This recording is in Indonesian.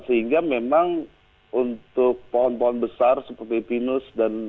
sehingga memang untuk pohon pohon besar seperti pinus dan lain sebagainya yang ditanam di sekitar kawasan ini